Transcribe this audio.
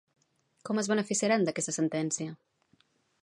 Com es beneficiaran d'aquesta sentència?